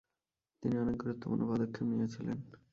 তিনি অনেক গুরুত্বপূর্ণ পদক্ষেপ নিয়েছিলেন।